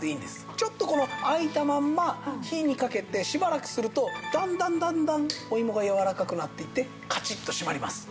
ちょっとこの開いたまま火にかけてしばらくするとだんだんだんだんおいもがやわらかくなっていってカチッと閉まります。